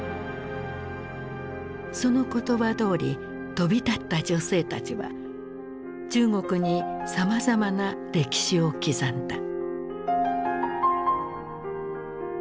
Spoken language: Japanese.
その言葉どおり飛び立った女性たちは中国にさまざまな歴史を刻んだ。